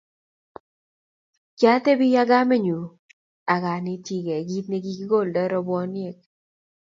kiatebi ak kamenyu ak anetkei kiit nekikoldoi robwoniek